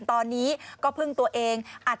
ตอนนี้ก็พึ่งตัวเอง